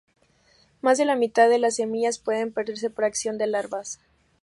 Más de la mitad de las semillas pueden perderse por acción de larvas.